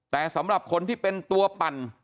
แต่สำหรับคนที่เป็นตัวปั่น